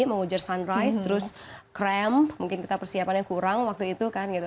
mengujar sunrise terus krem mungkin kita persiapannya kurang waktu itu kan gitu